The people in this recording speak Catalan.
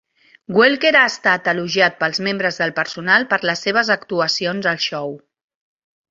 Welker ha estat elogiat pels membres del personal per les seves actuacions al xou.